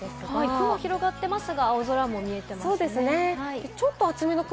雲が広がっていますが、青空も見えていますね。